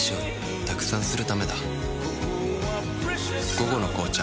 「午後の紅茶」